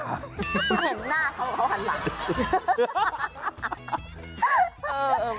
เห็นหน้าเขาเขาหันหลัง